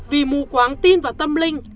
vì mù quáng tin và tâm linh